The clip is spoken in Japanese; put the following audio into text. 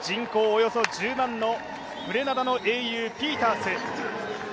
およそ１０万のグレナダの英雄、ピータース。